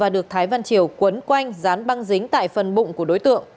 dán băng dính tại phần bụng của đối tượng